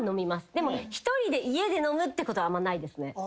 でも１人で家で飲むってことはあんまないですね。